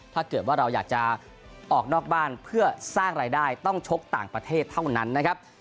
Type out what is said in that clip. ถ้าเกิดว่าเราอยากจะออกนอกบ้านเพื่อสร้างรายได้ต้องชกต่างประเทศเท่านั้นนะครับ